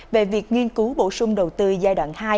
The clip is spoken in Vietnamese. về việc nghiên cứu bổ sung đầu tư giai đoạn hai